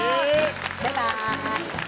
バイバーイ。